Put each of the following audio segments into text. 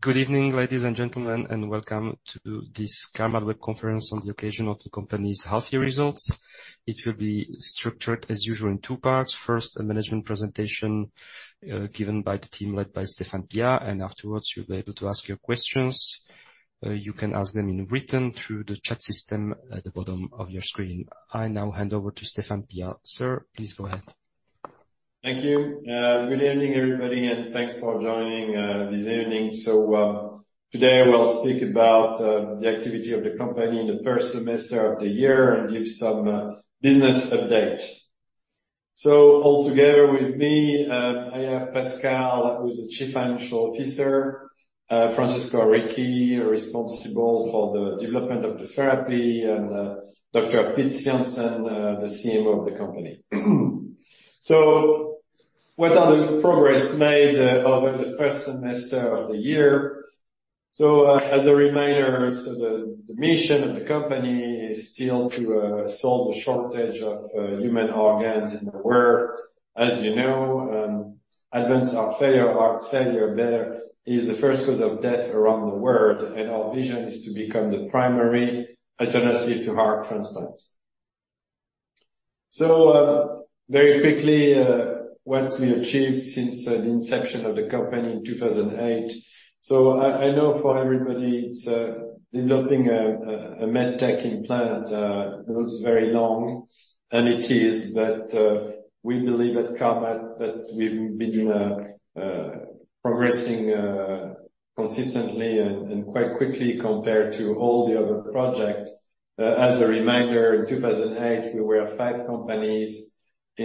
Good evening, ladies and gentlemen, and welcome to this CARMAT web conference on the occasion of the company's half year results. It will be structured, as usual, in two parts. First, a management presentation, given by the team, led by Stéphane Piat, and afterwards, you'll be able to ask your questions. You can ask them in written through the chat system at the bottom of your screen. I now hand over to Stéphane Piat. Sir, please go ahead. Thank you. Good evening, everybody, and thanks for joining this evening. Today I will speak about the activity of the company in the first semester of the year and give some business update. All together with me, I have Pascale, who is the Chief Financial Officer, Francesco Righi, responsible for the development of the therapy, and Dr. Piet Jansen, the CMO of the company. What are the progress made over the first semester of the year? As a reminder, the mission of the company is still to solve the shortage of human organs in the world. As you know, advanced heart failure, heart failure burden is the first cause of death around the world, and our vision is to become the primary alternative to heart transplants. So, very quickly, what we achieved since the inception of the company in 2008. So I know for everybody it's developing a MedTech implant looks very long, and it is. But we believe at CARMAT that we've been progressing consistently and quite quickly compared to all the other projects. As a reminder, in 2008, we were 5 companies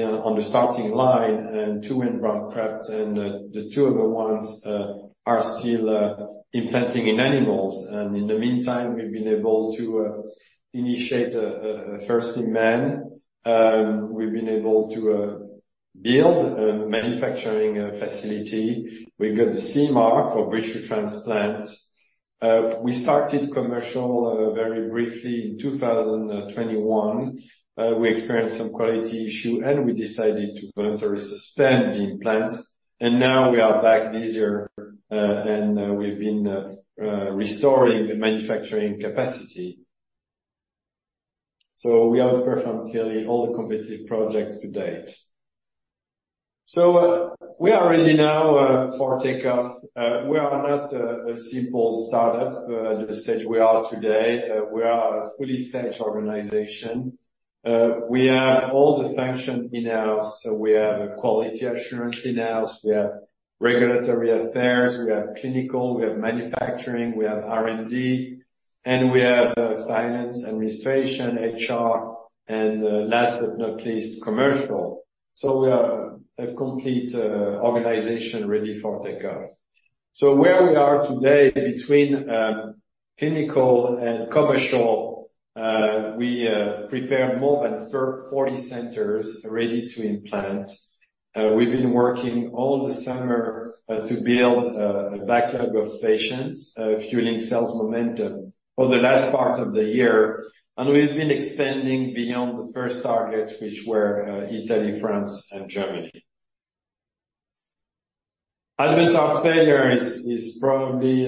on the starting line and 2 went bankrupt, and the 2 other ones are still implanting in animals. And in the meantime, we've been able to initiate a first in man. We've been able to build a manufacturing facility. We got the CE Mark for Bridge to Transplant. We started commercial very briefly in 2021. We experienced some quality issue, and we decided to voluntarily suspend the implants, and now we are back this year, and we've been restoring the manufacturing capacity. So we have performed clearly all the competitive projects to date. So we are ready now for takeoff. We are not a simple startup at the stage we are today. We are a full-fledged organization. We have all the function in-house. So we have a quality assurance in-house, we have regulatory affairs, we have clinical, we have manufacturing, we have R&D, and we have finance, administration, HR, and last but not least, commercial. So we are a complete organization ready for takeoff. So where we are today, between clinical and commercial, we prepared more than 40 centers ready to implant. We've been working all the summer to build a backlog of patients fueling sales momentum for the last part of the year. We've been expanding beyond the first targets, which were Italy, France, and Germany. Advanced heart failure is probably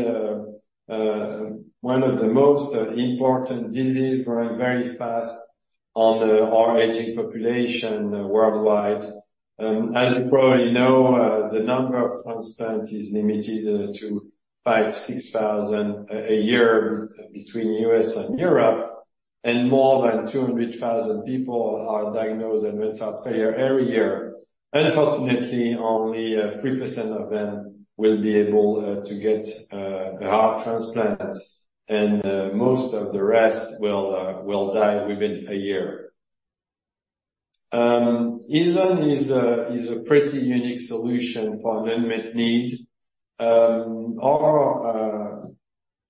one of the most important disease growing very fast on our aging population worldwide. As you probably know, the number of transplants is limited to 5,000-6,000 a year between U.S. and Europe, and more than 200,000 people are diagnosed with heart failure every year. Unfortunately, only 3% of them will be able to get a heart transplant, and most of the rest will die within a year. Aeson is a pretty unique solution for an unmet need. Our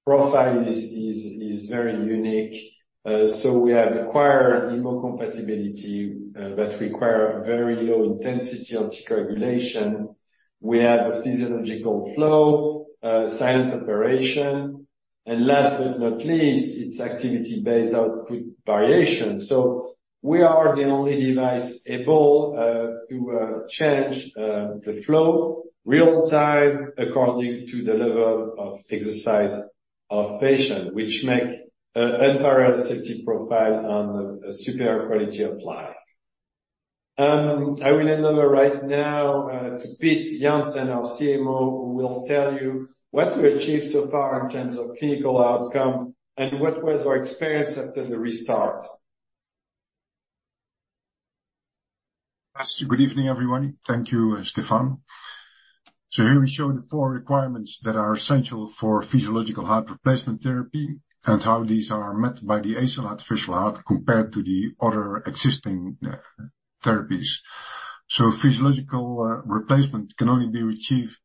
profile is very unique. So we have acquired hemocompatibility that require very low intensity anticoagulation. We have a physiological flow, silent operation, and last but not least, its activity-based output variation. So we are the only device able to change the flow real time according to the level of exercise of patient, which make a an unparalleled safety profile and a superior quality of life. I will hand over right now to Piet Jansen, our CMO, who will tell you what we achieved so far in terms of clinical outcome and what was our experience after the restart. Yes, good evening, everyone. Thank you, Stéphane. Here we show the four requirements that are essential for physiological heart replacement therapy and how these are met by the Aeson artificial heart compared to the other existing therapies. Physiological replacement can only be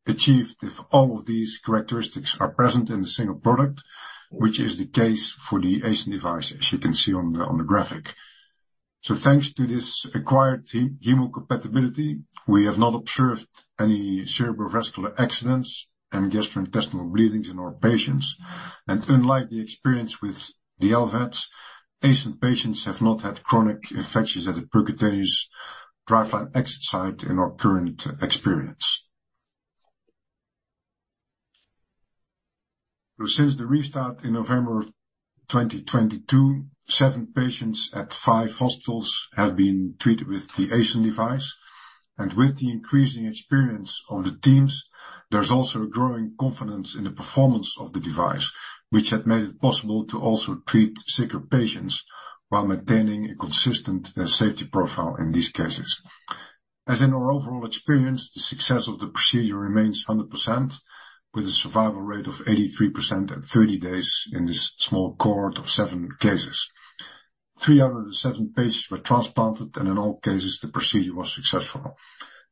achieved if all of these characteristics are present in a single product, which is the case for the Aeson device, as you can see on the graphic. Thanks to this acquired hemocompatibility, we have not observed any cerebrovascular accidents and gastrointestinal bleedings in our patients. Unlike the experience with the LVADs, Aeson patients have not had chronic infections at the percutaneous driveline exit site in our current experience. Since the restart in November 2022, seven patients at five hospitals have been treated with the Aeson device. With the increasing experience on the teams, there's also a growing confidence in the performance of the device, which had made it possible to also treat sicker patients while maintaining a consistent safety profile in these cases. As in our overall experience, the success of the procedure remains 100%, with a survival rate of 83% at 30 days in this small cohort of 7 cases. Three of seven patients were transplanted, and in all cases, the procedure was successful.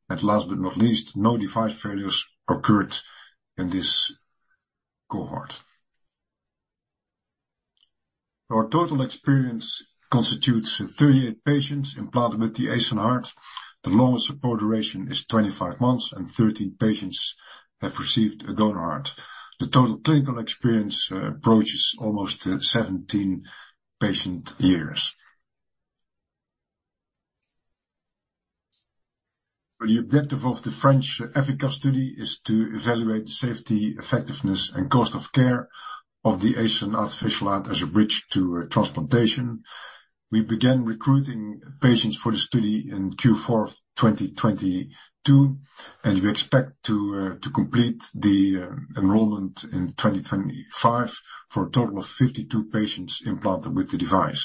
And last but not least, no device failures occurred in this cohort. Our total experience constitutes 38 patients implanted with the Aeson heart. The longest support duration is 25 months, and 13 patients have received a donor heart. The total clinical experience approaches almost 17 patient-years. The objective of the French EFICAS study is to evaluate the safety, effectiveness, and cost of care of the Aeson artificial heart as a bridge to transplantation. We began recruiting patients for the study in Q4 of 2022, and we expect to complete the enrollment in 2025 for a total of 52 patients implanted with the device.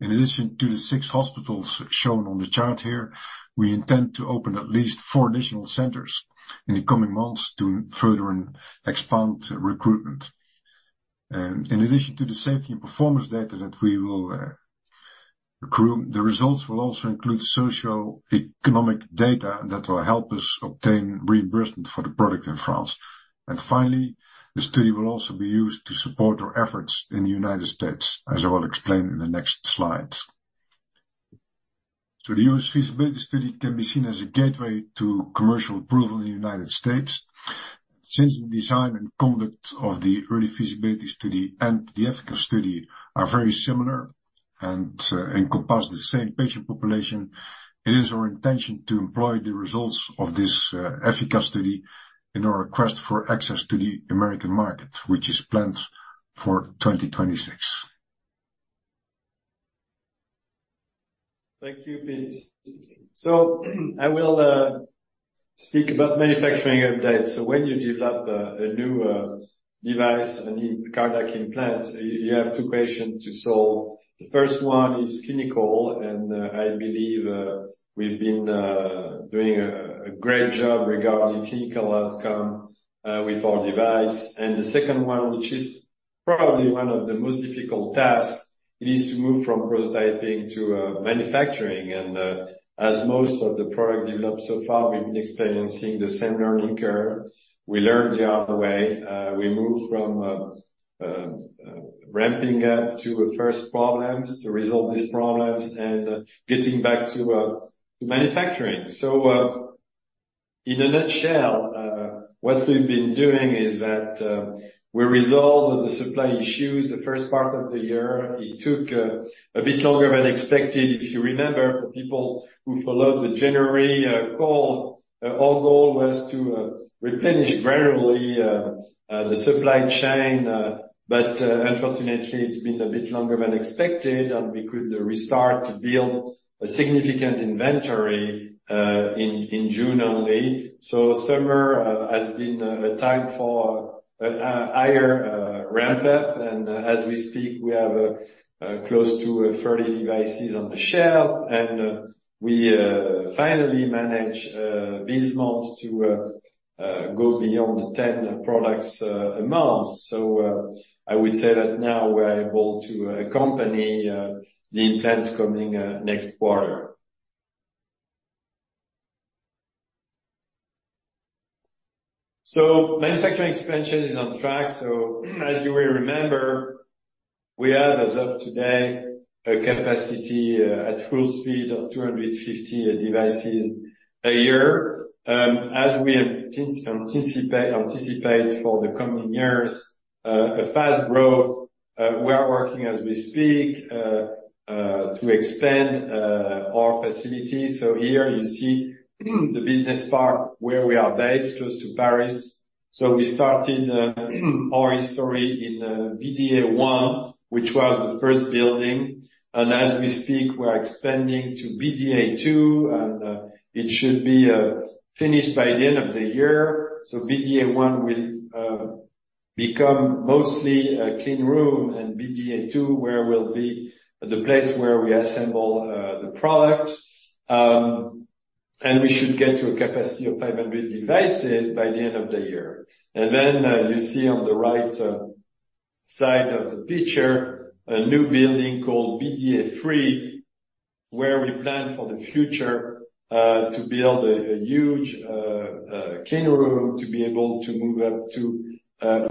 In addition to the six hospitals shown on the chart here, we intend to open at least four additional centers in the coming months to further and expand recruitment. In addition to the safety and performance data that we will accrue, the results will also include socioeconomic data that will help us obtain reimbursement for the product in France. Finally, the study will also be used to support our efforts in the United States, as I will explain in the next slides. The U.S. feasibility study can be seen as a gateway to commercial approval in the United States. Since the design and conduct of the Early Feasibility Study and the EFICAS study are very similar and encompass the same patient population, it is our intention to employ the results of this EFICAS study in our request for access to the American market, which is planned for 2026. Thank you, Piet. So, I will speak about manufacturing updates. So when you develop a new device, a new cardiac implant, you have two patients to solve. The first one is clinical, and I believe we've been doing a great job regarding clinical outcome with our device. And the second one, which is probably one of the most difficult tasks, is to move from prototyping to manufacturing. And as most of the product developed so far, we've been experiencing the same learning curve. We learned the hard way. We moved from ramping up to the first problems, to resolve these problems, and getting back to manufacturing. So in a nutshell, what we've been doing is that we resolved the supply issues the first part of the year. It took a bit longer than expected. If you remember, for people who followed the January call, our goal was to replenish gradually the supply chain, but unfortunately, it's been a bit longer than expected, and we could restart to build a significant inventory in June only. So summer has been a time for a higher ramp up. And as we speak, we have close to 30 devices on the shelf, and we finally managed these months to go beyond the 10 products a month. So I would say that now we're able to accompany the implants coming next quarter. So manufacturing expansion is on track. So as you will remember, we have, as of today, a capacity at full speed of 250 devices a year. As we anticipate for the coming years a fast growth, we are working as we speak to expand our facilities. So here you see the business park where we are based, close to Paris. So we started our history in BDA1, which was the first building, and as we speak, we're expanding to BDA2, and it should be finished by the end of the year. So BDA1 will become mostly a clean room and BDA2, where will be the place where we assemble the product. And we should get to a capacity of 500 devices by the end of the year. And then, you see on the right side of the picture, a new building called BDA3, where we plan for the future to build a huge clean room, to be able to move up to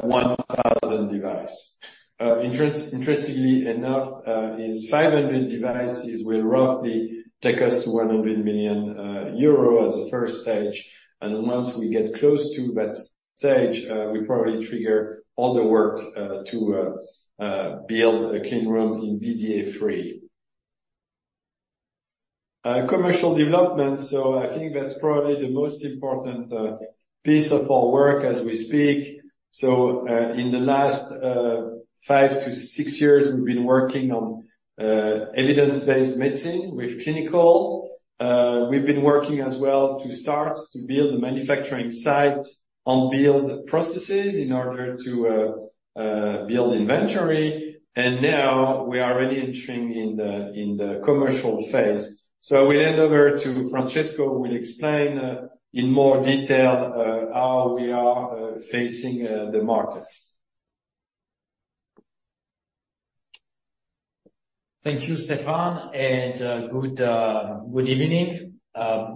1,000 device. Interestingly enough, is 500 devices will roughly take us to 100 million euro as a first stage, and once we get close to that stage, we probably trigger all the work to build a clean room in BDA3... Commercial development. So I think that's probably the most important piece of our work as we speak. So, in the last 5-6 years, we've been working on evidence-based medicine with clinical. We've been working as well to start to build a manufacturing site on build processes in order to build inventory, and now we are already entering in the commercial phase. So I will hand over to Francesco, who will explain in more detail how we are facing the market. Thank you, Stéphane, and good evening.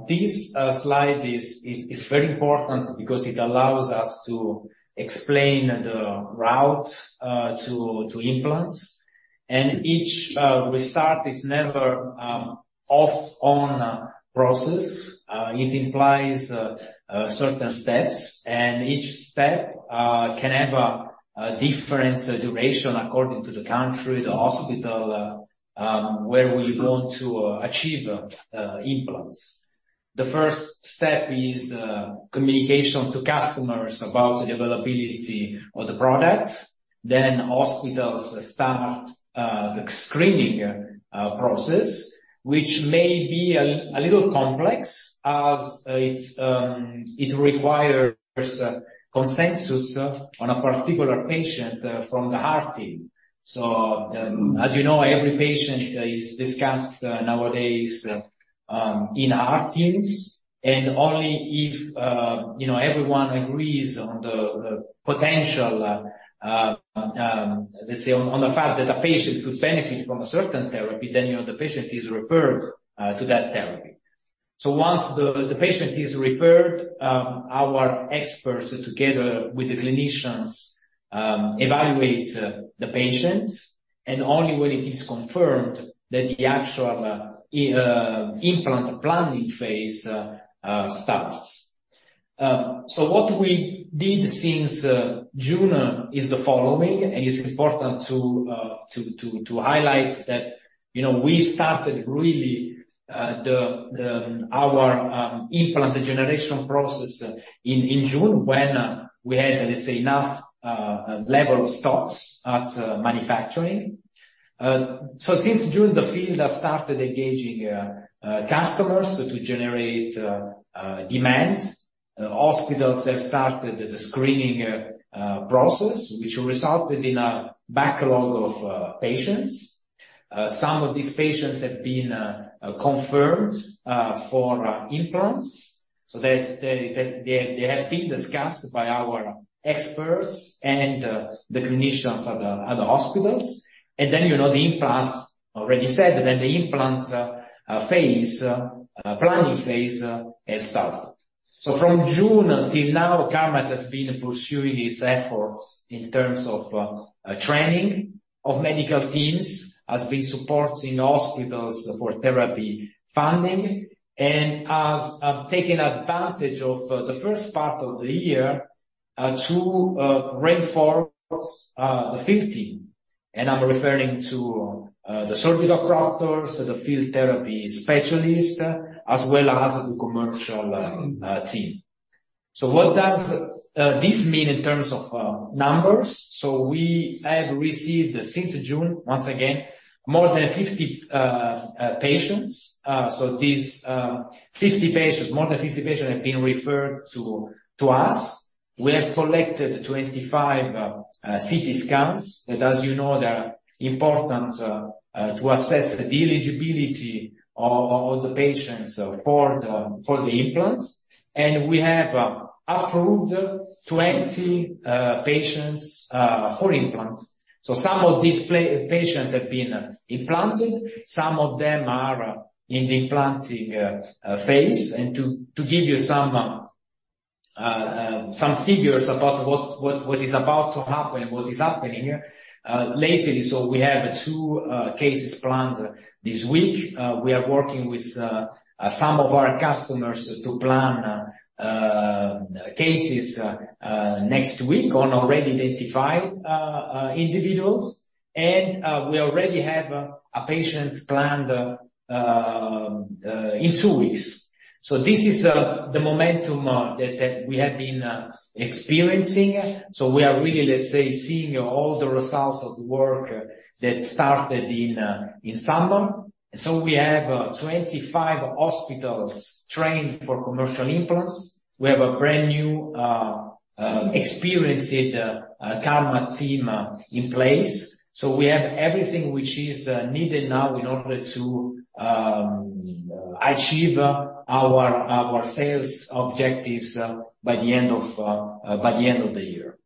This slide is very important because it allows us to explain the route to implants. And each we start is never off on process. It implies certain steps, and each step can have a different duration according to the country, the hospital where we want to achieve implants. The first step is communication to customers about the availability of the product. Then hospitals start the screening process, which may be a little complex as it requires consensus on a particular patient from the heart team. So, as you know, every patient is discussed nowadays in our heart teams, and only if you know, everyone agrees on the potential... Let's say, on the fact that a patient could benefit from a certain therapy, then, you know, the patient is referred to that therapy. So once the patient is referred, our experts, together with the clinicians, evaluate the patient, and only when it is confirmed that the actual implant planning phase starts. So what we did since June is the following, and it's important to highlight that, you know, we started really our implant generation process in June, when we had, let's say, enough level of stocks at manufacturing. So since June, the field has started engaging customers to generate demand. Hospitals have started the screening process, which resulted in a backlog of patients. Some of these patients have been confirmed for implants. So that's, they, they, they have been discussed by our experts and the clinicians at the hospitals. And then, you know, the implants already said that the implant phase planning phase has started. So from June until now, CARMAT has been pursuing its efforts in terms of training of medical teams, has been supporting hospitals for therapy funding, and has taken advantage of the first part of the year to reinforce the field team. And I'm referring to the surgical doctors, the field therapy specialists, as well as the commercial team. So what does this mean in terms of numbers? So we have received since June, once again, more than 50 patients. So these 50 patients, more than 50 patients, have been referred to us. We have collected 25 CT scans, that as you know, they are important to assess the eligibility of the patients for the implants. And we have approved 20 patients for implants. So some of these patients have been implanted, some of them are in the implanting phase. And to give you some figures about what is about to happen and what is happening lately. So we have two cases planned this week. We are working with some of our customers to plan cases next week on already identified individuals. And we already have a patient planned in two weeks. This is the momentum that we have been experiencing. We are really, let's say, seeing all the results of the work that started in summer. We have 25 hospitals trained for commercial implants. We have a brand new experienced CARMAT team in place. We have everything which is needed now in order to achieve our sales objectives by the end of the year.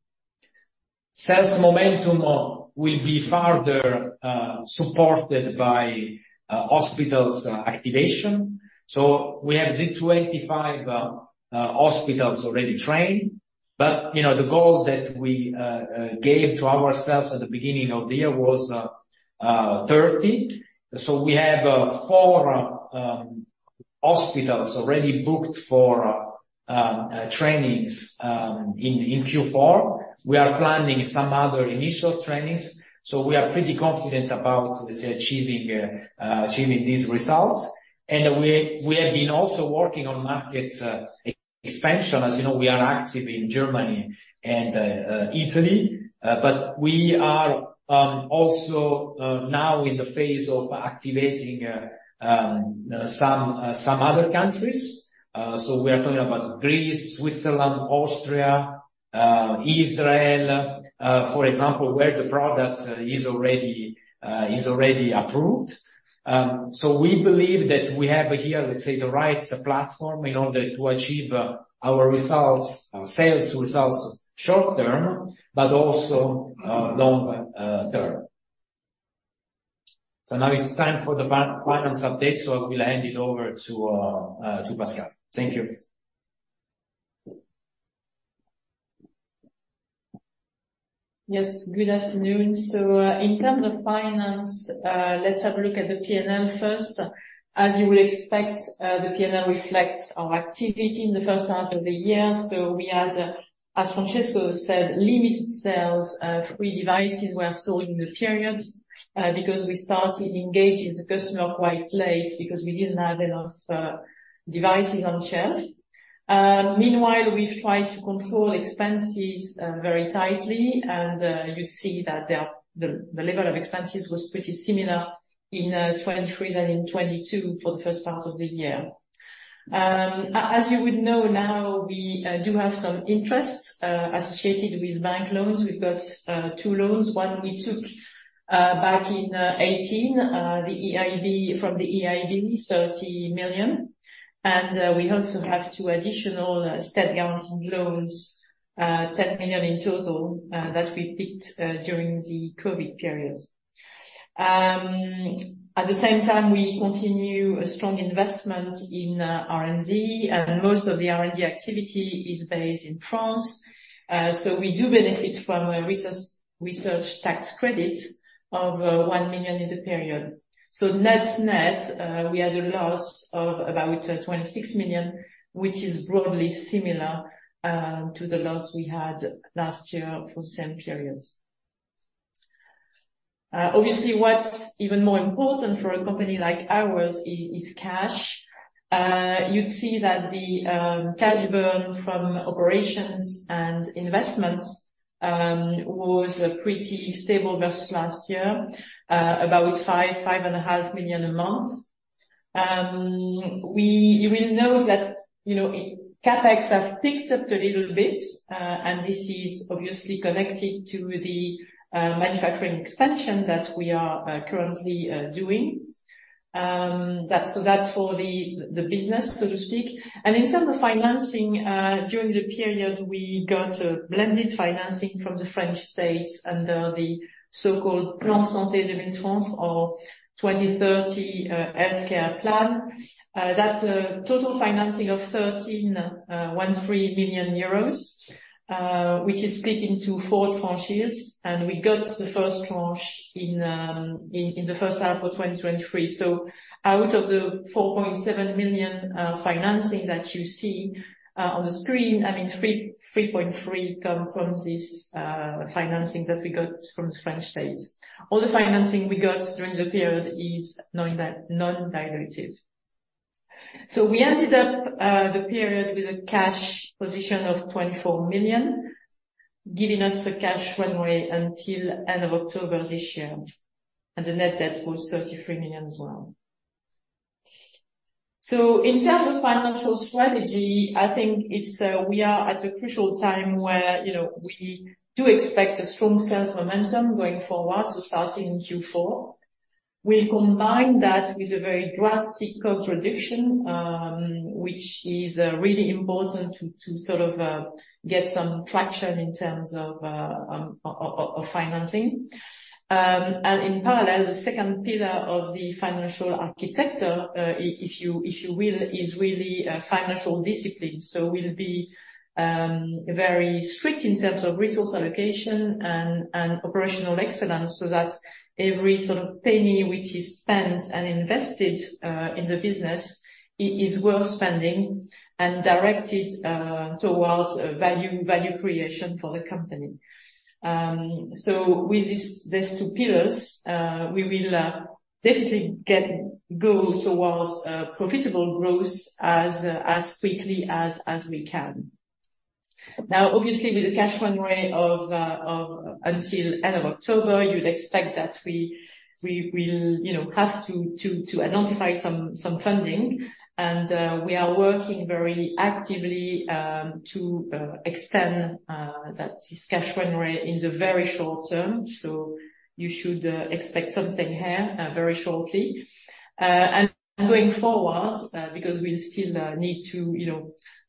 Sales momentum will be further supported by hospitals activation. We have the 25 hospitals already trained, but, you know, the goal that we gave to ourselves at the beginning of the year was 30. We have four. Hospitals already booked for trainings in Q4. We are planning some other initial trainings, so we are pretty confident about, let's say, achieving these results. And we have been also working on market expansion. As you know, we are active in Germany and Italy, but we are also now in the phase of activating some other countries. So we are talking about Greece, Switzerland, Austria, Israel, for example, where the product is already approved. So we believe that we have here, let's say, the right platform in order to achieve our results, sales results short term, but also long term. So now it's time for the finance update, so I will hand it over to Pascale. Thank you. Yes, good afternoon. So, in terms of finance, let's have a look at the PNL first. As you will expect, the PNL reflects our activity in the first half of the year. So we had, as Francesco said, limited sales of 3 devices we have sold in the period, because we started engaging the customer quite late because we didn't have enough devices on shelf. Meanwhile, we've tried to control expenses very tightly, and you see that the level of expenses was pretty similar in 2023 and in 2022 for the first part of the year. As you would know now, we do have some interest associated with bank loans. We've got two loans, one we took back in 2018, the EIB, from the EIB, 30 million, and we also have 2 additional state guaranteeing loans, 10 million in total, that we picked during the COVID period. At the same time, we continue a strong investment in R&D, and most of the R&D activity is based in France. So we do benefit from a Research Tax Credit of 1 million in the period. So net, net, we had a loss of about 26 million, which is broadly similar to the loss we had last year for the same period. Obviously, what's even more important for a company like ours is cash. You'd see that the cash burn from operations and investments was pretty stable versus last year. About 5-5.5 million a month. You will know that, you know, CapEx have picked up a little bit, and this is obviously connected to the manufacturing expansion that we are currently doing. That's, so that's for the business, so to speak. And in terms of financing, during the period, we got a blended financing from the French state under the so-called Plan Santé 2030 healthcare plan. That's a total financing of 13 million euros, which is split into four tranches, and we got the first tranche in the first half of 2023. So out of the 4.7 million financing that you see on the screen, I mean, 3.3 come from this financing that we got from the French state. All the financing we got during the period is non-dilutive. So we ended up the period with a cash position of 24 million, giving us a cash runway until end of October this year, and the net debt was 33 million as well. So in terms of financial strategy, I think it's we are at a crucial time where, you know, we do expect a strong sales momentum going forward, so starting in Q4. We'll combine that with a very drastic cost reduction, which is really important to sort of get some traction in terms of of financing. And in parallel, the second pillar of the financial architecture, if you will, is really financial discipline. So we'll be very strict in terms of resource allocation and operational excellence, so that every sort of penny which is spent and invested in the business is worth spending and directed towards value creation for the company. So with these two pillars, we will definitely go towards profitable growth as quickly as we can. Now, obviously, with a cash runway of until end of October, you'd expect that we will, you know, have to identify some funding, and we are working very actively to extend this cash runway in the very short term. So you should expect something here very shortly. And going forward, because we'll still need to, you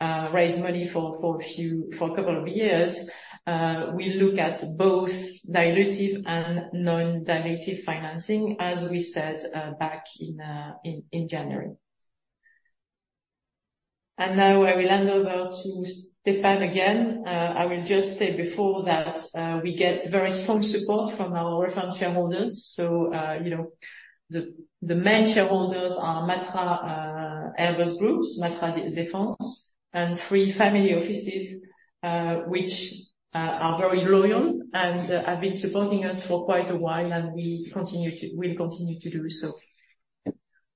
know, raise money for a couple of years, we look at both dilutive and non-dilutive financing, as we said back in January. Now I will hand over to Stéphane again. I will just say before that, we get very strong support from our reference shareholders. So, you know, the main shareholders are Matra, Airbus Group, Matra Défense, and three family offices, which are very loyal and have been supporting us for quite a while, and we will continue to do so.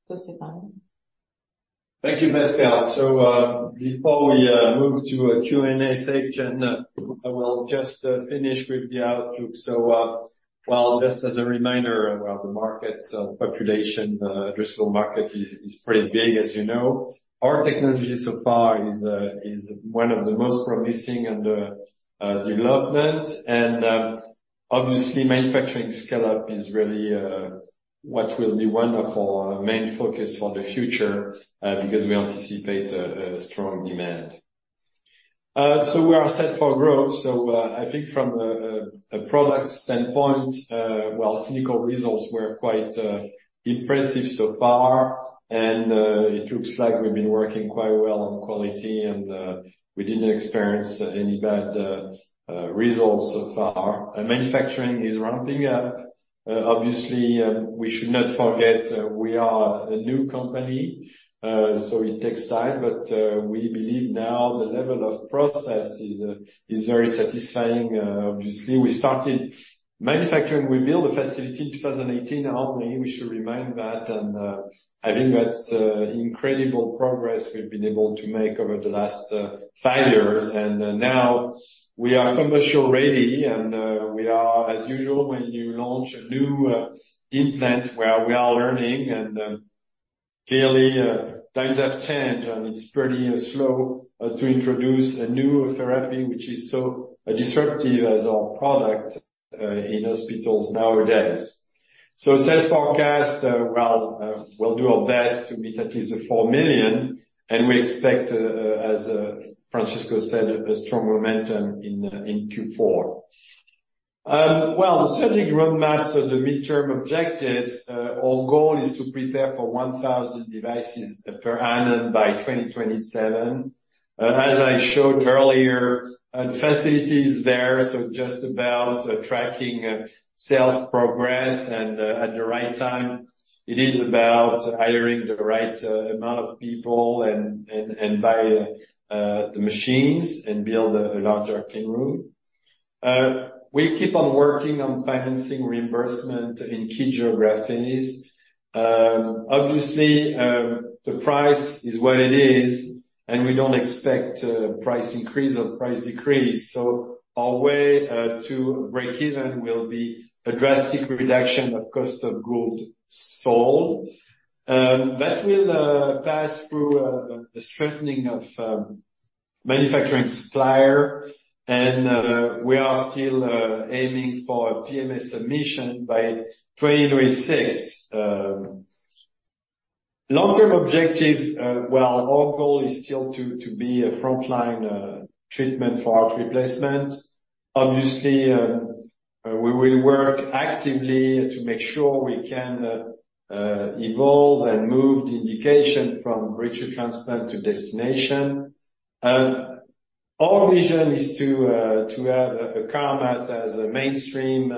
So, Stéphane? Thank you, Pascale. So, before we move to a Q&A section, I will just finish with the outlook. So, well, just as a reminder, well, the market population addressable market is pretty big as you know. Our technology so far is one of the most promising under development. And, obviously, manufacturing scale-up is really what will be one of our main focus for the future, because we anticipate a strong demand. So we are set for growth. So, I think from a product standpoint, well, clinical results were quite impressive so far. And, it looks like we've been working quite well on quality, and we didn't experience any bad results so far. And manufacturing is ramping up. Obviously, we should not forget, we are a new company, so it takes time, but we believe now the level of process is very satisfying, obviously. We started manufacturing. We built a facility in 2018 only. We should remind that, and I think that's incredible progress we've been able to make over the last five years. Now we are commercial ready, and we are as usual, when you launch a new implant, well, we are learning. Clearly, times have changed, and it's pretty slow to introduce a new therapy, which is so disruptive as our product in hospitals nowadays. So sales forecast, we'll do our best to meet at least 4 million, and we expect, as Francesco said, a strong momentum in Q4. The strategic roadmaps of the midterm objectives, our goal is to prepare for 1,000 devices per annum by 2027. As I showed earlier, the facility is there, so just about tracking sales progress and, at the right time, it is about hiring the right amount of people and buy the machines and build a larger clean room. We keep on working on financing reimbursement in key geographies. Obviously, the price is what it is, and we don't expect a price increase or price decrease. So our way to break even will be a drastic reduction of cost of goods sold. That will pass through the strengthening of manufacturing supplier, and we are still aiming for a PMA submission by 2026. Long-term objectives, well, our goal is still to be a frontline treatment for heart replacement. Obviously, we will work actively to make sure we can evolve and move the indication from bridge to transplant to destination. Our vision is to have a CARMAT as a mainstream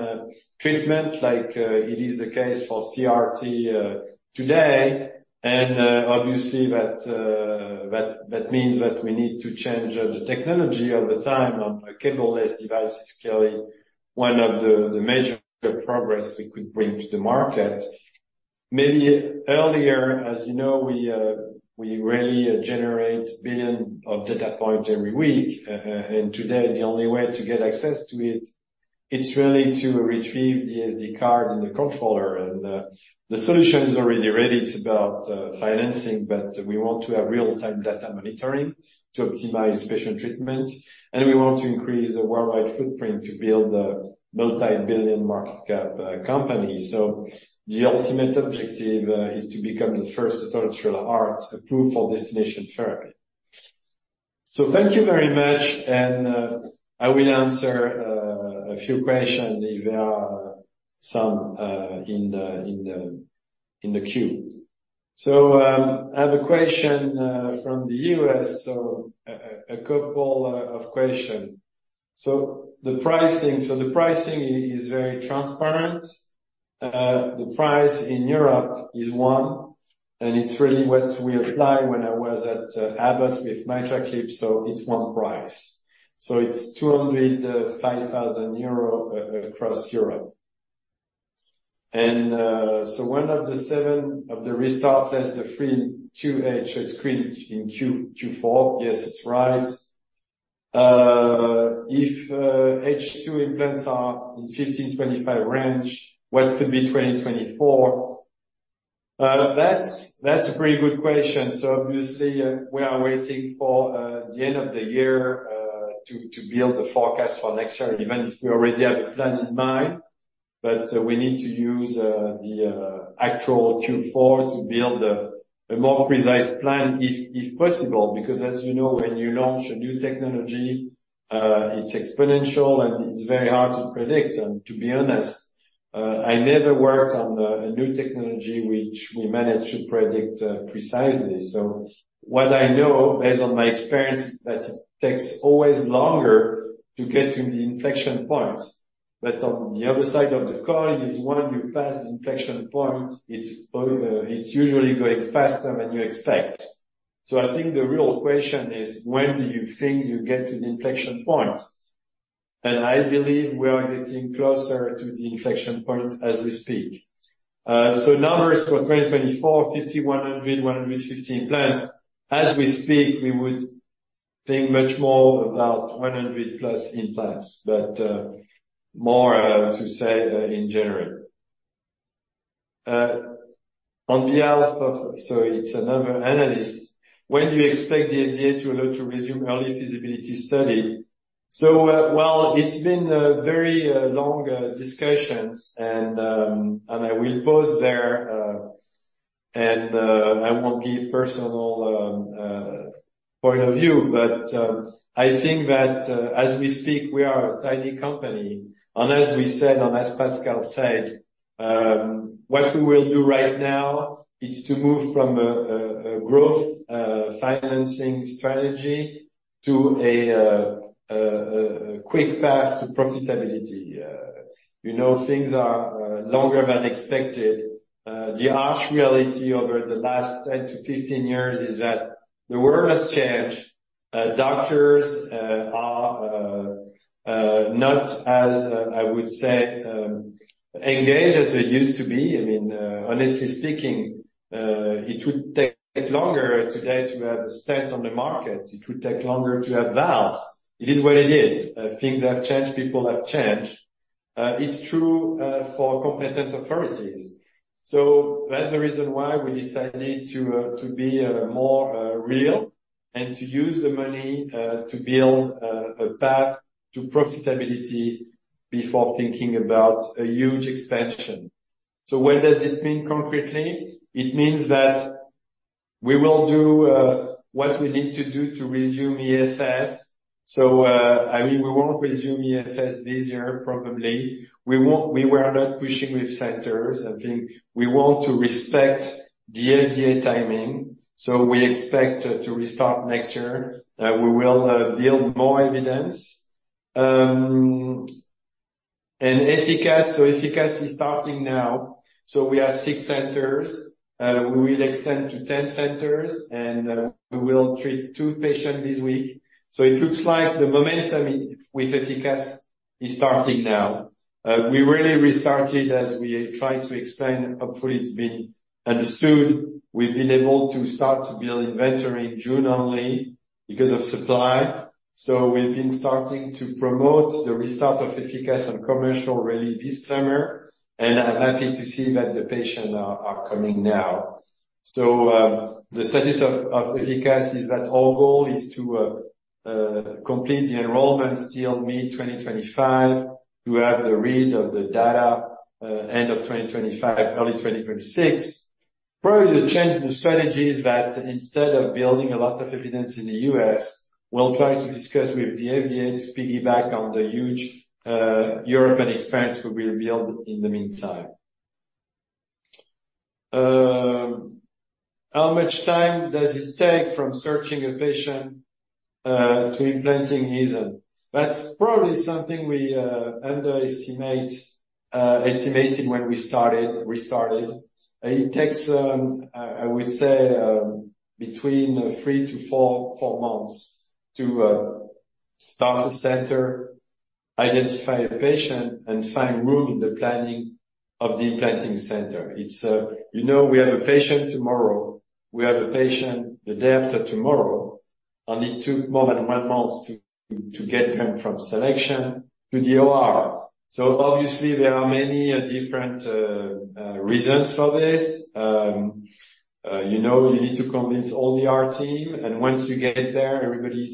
treatment, like it is the case for CRT today. And obviously, that means that we need to change the technology over time, and a cable-less device is clearly one of the major progress we could bring to the market. Maybe earlier, as you know, we really generate billion of data points every week. And today, the only way to get access to it, it's really to retrieve the SD card and the controller. And, the solution is already ready. It's about, financing, but we want to have real-time data monitoring to optimize patient treatment, and we want to increase the worldwide footprint to build a multi-billion market cap company. So the ultimate objective is to become the first artificial heart approved for destination therapy. So thank you very much, and, I will answer a few questions if there are some in the queue. So, I have a question from the U.S., so a couple of questions. So the pricing. So the pricing is very transparent. The price in Europe is one, and it's really what we applied when I was at Abbott with MitraClip, so it's one price. So it's 205,000 euro across Europe. And so one of the seven of the restart plus the three Q4 screens in Q4? Yes, it's right. If H2 implants are in 15-25 range, what could be 2024? That's a pretty good question. So obviously, we are waiting for the end of the year to build the forecast for next year, even if we already have a plan in mind. But we need to use the actual Q4 to build a more precise plan if possible. Because as you know, when you launch a new technology, it's exponential, and it's very hard to predict, and to be honest-... I never worked on a new technology which we managed to predict precisely. So what I know, based on my experience, that takes always longer to get to the inflection point. But on the other side of the coin, is once you pass the inflection point, it's over, it's usually going faster than you expect. So I think the real question is, when do you think you'll get to the inflection point? And I believe we are getting closer to the inflection point as we speak. So numbers for 2024, 50, 100, 115 implants. As we speak, we would think much more about 100+ implants, but more to say in January. On behalf of... So it's another analyst. When do you expect the FDA to allow to resume early feasibility study? So, well, it's been a very long discussions, and, and I will pause there, and, I won't give personal point of view. But, I think that, as we speak, we are a tiny company, and as we said, and as Pascale said, what we will do right now is to move from a growth financing strategy to a quick path to profitability. You know, things are longer than expected. The harsh reality over the last 10-15 years is that the world has changed. Doctors are not as, I would say, engaged as they used to be. I mean, honestly speaking, it would take longer today to have a stent on the market. It would take longer to have valves. It is what it is. Things have changed. People have changed. It's true for competent authorities. So that's the reason why we decided to be more real and to use the money to build a path to profitability before thinking about a huge expansion. So what does it mean concretely? It means that we will do what we need to do to resume EFS. So, I mean, we won't resume EFS this year probably. We won't. We were not pushing with centers. I think we want to respect the FDA timing, so we expect to restart next year. We will build more evidence. And EFICAS, so EFICAS is starting now. So we have six centers. We will extend to 10 centers, and we will treat two patients this week. So it looks like the momentum with EFICAS is starting now. We really restarted, as we tried to explain, hopefully, it's been understood. We've been able to start to build inventory in June only because of supply. So we've been starting to promote the restart of EFICAS and commercial really this summer, and I'm happy to see that the patients are coming now. So the status of EFICAS is that our goal is to complete the enrollment still mid-2025, to have the read of the data end of 2025, early 2026. Probably the change in strategy is that instead of building a lot of evidence in the U.S., we'll try to discuss with the FDA to piggyback on the huge European experience we will build in the meantime. How much time does it take from searching a patient to implanting Aeson? That's probably something we underestimated when we restarted. It takes, I would say, between three to four months to start a center, identify a patient, and find room in the planning of the implanting center. It's, you know, we have a patient tomorrow, we have a patient the day after tomorrow, and it took more than one month to get him from selection to the OR. So obviously, there are many different reasons for this. You know, you need to convince all the OR team, and once you get there, everybody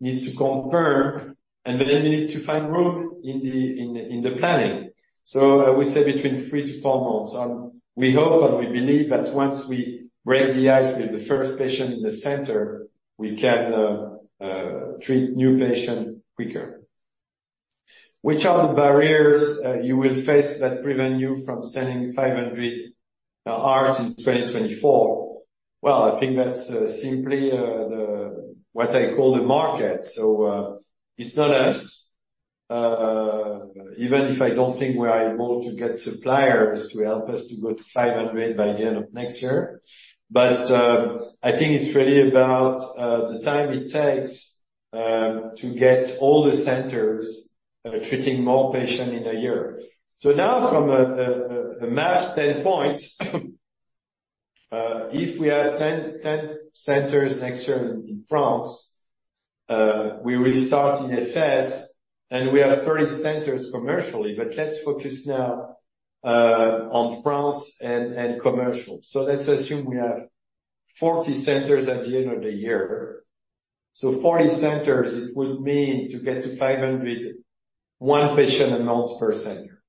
needs to confirm, and then you need to find room in the planning. So I would say between three to four months. We hope and we believe that once we break the ice with the first patient in the center, we can treat new patients quicker. Which are the barriers you will face that prevent you from selling 500 hearts in 2024? Well, I think that's simply what I call the market. So, it's not us, even if I don't think we are able to get suppliers to help us to go to 500 by the end of next year. But, I think it's really about the time it takes to get all the centers treating more patients in a year. So now, from a math standpoint, if we have 10 centers next year in France, we restart EFS, and we have 30 centers commercially. But let's focus now on France and commercial. So let's assume we have 40 centers at the end of the year. So 40 centers, it would mean to get to 500, one patient a month per center,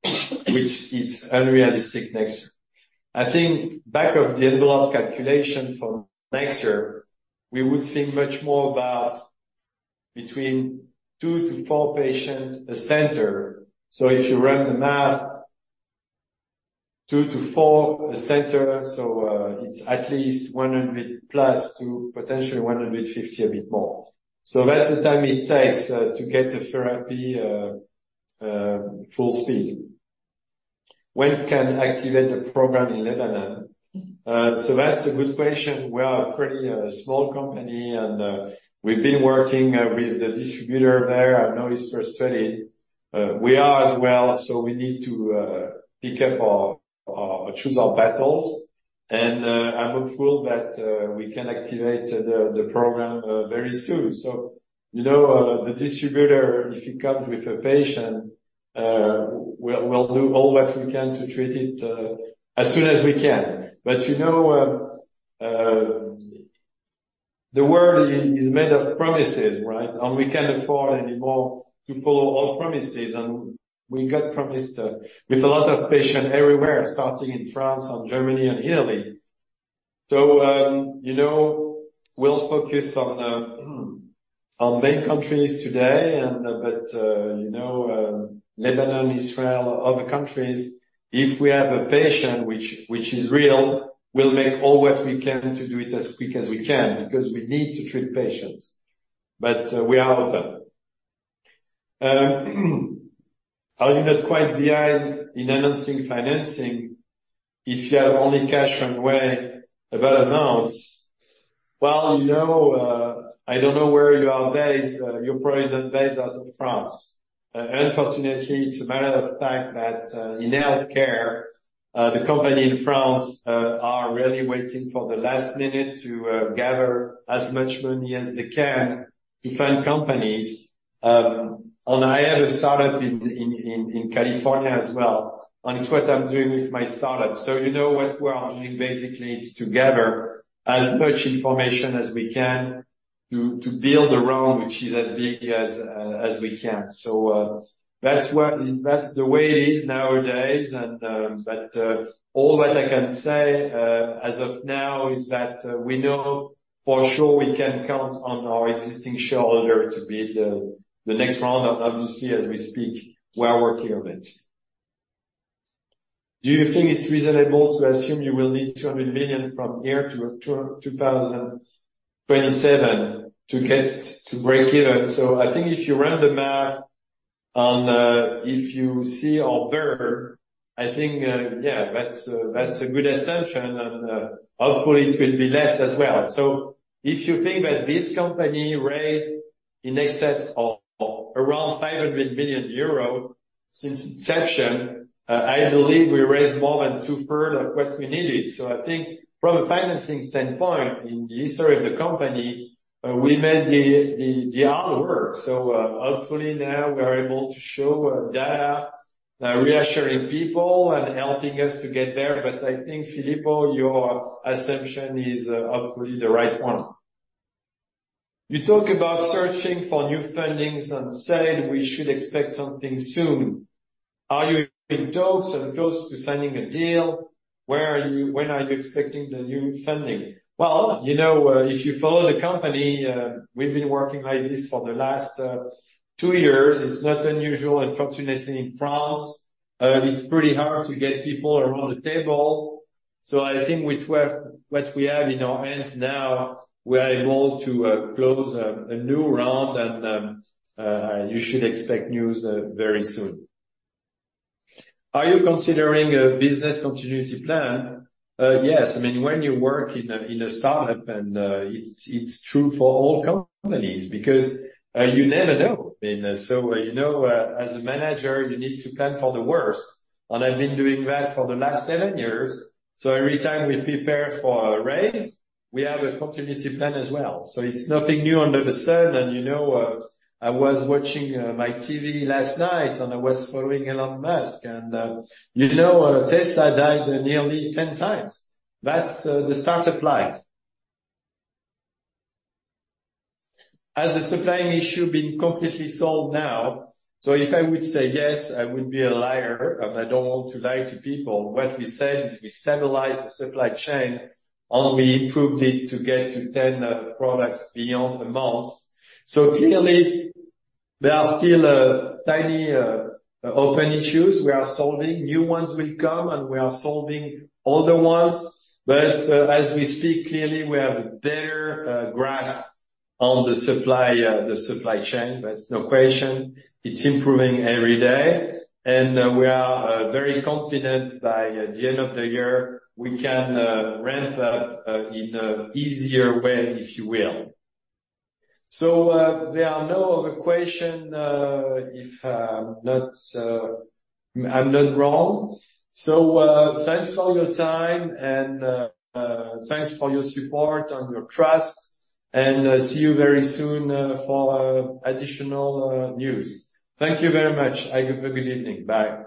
which is unrealistic next year. I think back of the envelope calculation for next year, we would think much more about between 2-4 patients a center. So if you run the math, 2-4 a center, so it's at least 100+ to potentially 150, a bit more. So that's the time it takes to get the therapy full speed. When can you activate the program in Lebanon? So that's a good question. We are a pretty small company, and we've been working with the distributor there, and now he's frustrated. We are as well, so we need to choose our battles. And I'm hopeful that we can activate the program very soon. So, you know, the distributor, if he comes with a patient, we'll do all what we can to treat it as soon as we can. But, you know, the world is made of promises, right? And we can't afford anymore to follow all promises, and we got promised with a lot of patients everywhere, starting in France and Germany and Italy. So, you know, we'll focus on main countries today and, but, you know, Lebanon, Israel, other countries, if we have a patient, which is real, we'll make all what we can to do it as quick as we can, because we need to treat patients, but we are open. Are you not quite behind in announcing financing if you have only cash on way about amounts? Well, you know, I don't know where you are based. You're probably not based out of France. Unfortunately, it's a matter of fact that, in healthcare, the company in France, are really waiting for the last minute to, gather as much money as they can to fund companies. And I had a start-up in California as well, and it's what I'm doing with my start-up. So, you know, what we are doing basically is to gather as much information as we can to, to build around, which is as big as, as we can. So, that's what... That's the way it is nowadays, and, but, all that I can say, as of now is that we know for sure we can count on our existing shareholder to be the, the next round. Obviously, as we speak, we are working on it. Do you think it's reasonable to assume you will need 200 million from here to 2027 to get to break even? So I think if you run the math on, if you see our burn, I think, yeah, that's a, that's a good assumption, and, hopefully, it will be less as well. So if you think that this company raised in excess of around 500 million euros since inception, I believe we raised more than two-thirds of what we needed. So I think from a financing standpoint, in the history of the company, we made the hard work. So, hopefully now we are able to show data reassuring people and helping us to get there. But I think, Filippo, your assumption is, hopefully the right one. You talk about searching for new fundings and said we should expect something soon. Are you in talks and close to signing a deal? Where are you? When are you expecting the new funding? Well, you know, if you follow the company, we've been working like this for the last two years. It's not unusual. Unfortunately, in France, it's pretty hard to get people around the table, so I think with what we have in our hands now, we are able to close a new round, and you should expect news very soon. Are you considering a business continuity plan? Yes. I mean, when you work in a start-up, and it's true for all companies because you never know. I mean, so you know, as a manager, you need to plan for the worst, and I've been doing that for the last seven years. So every time we prepare for a raise, we have a continuity plan as well. So it's nothing new under the sun. You know, I was watching my TV last night, and I was following Elon Musk, and, you know, Tesla died nearly 10 times. That's the start-up life. Has the supplying issue been completely solved now? So if I would say yes, I would be a liar, and I don't want to lie to people. What we said is we stabilized the supply chain, and we improved it to get to 10 products beyond a month. So clearly, there are still tiny open issues we are solving. New ones will come, and we are solving older ones, but as we speak, clearly, we have a better grasp on the supply, the supply chain. That's no question. It's improving every day, and we are very confident by the end of the year, we can ramp up in a easier way, if you will. So, there are no other question, if I'm not wrong. So, thanks for your time, and thanks for your support and your trust, and see you very soon for additional news. Thank you very much. Have a good evening. Bye.